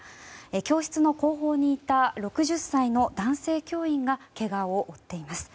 教室の後方にいた６０歳の男性教員がけがを負っています。